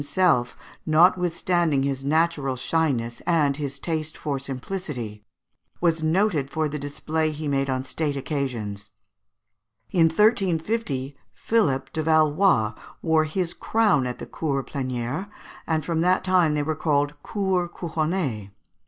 himself, notwithstanding his natural shyness and his taste for simplicity, was noted for the display he made on state occasions. In 1350, Philippe de Valois wore his crown at the Cours Plénières, and from that time they were called Cours Couronnées.